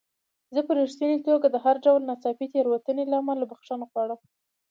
زه په رښتینې توګه د هر ډول ناڅاپي تېروتنې له امله بخښنه غواړم.